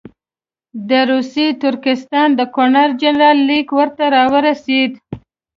د روسي ترکستان د ګورنر جنرال لیک ورته راورسېد.